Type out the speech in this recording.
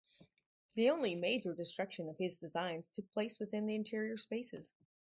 The only major destruction of his designs took place within the interior spaces.